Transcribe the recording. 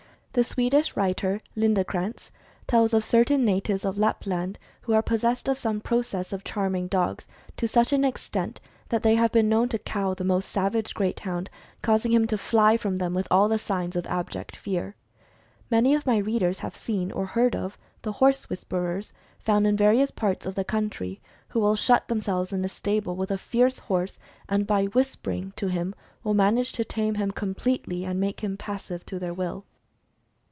The Swedish writer, Lindecrantz tells of certain natives of Lapland who are possessed of some process of charming dogs, to such an extent that they have been known to cow the most savage great hound, causing him to fly from them with all the signs of abject fear. Many of my readers have seen, or heard of, the horse "whisperers" found in various parts of the country, who will shut themselves in a stable with a fierce horse, and by "whispering" to him will manage to tame him com pletely, and make him passive to their will.